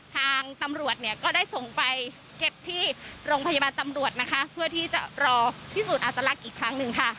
ทางตำรวจเนี่ยก็ได้ส่งไปเก็บที่โรงพยาบาลตำรวจนะคะเพื่อที่จะรอพิสูจน์อัตลักษณ์อีกครั้งหนึ่งค่ะ